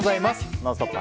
「ノンストップ！」